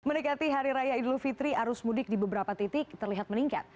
mendekati hari raya idul fitri arus mudik di beberapa titik terlihat meningkat